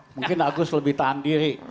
mungkin agus lebih tahan diri